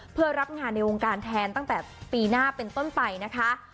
เพื่อรับงานในวงการแทนตั้งแต่ปีหน้าเป็นต้นไปนะคะ